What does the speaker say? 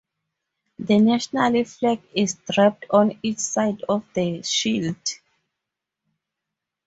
The national flag is draped on each side of the shield.